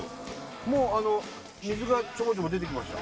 もうあの水がちょぼちょぼ出てきました